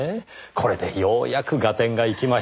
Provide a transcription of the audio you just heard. これでようやく合点がいきました。